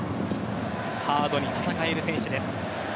ハードに戦える選手です。